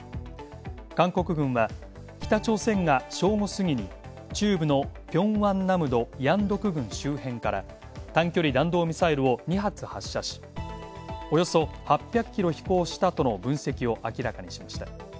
韓国軍は、北朝鮮が正午すぎに中部の平安南道陽徳郡周辺から短距離弾道ミサイルを２発発射しおよそ８００キロ飛行したとの分析を明らかにしました。